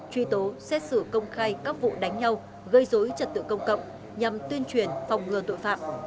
truy tố xét xử công khai các vụ đánh nhau gây dối trật tự công cộng nhằm tuyên truyền phòng ngừa tội phạm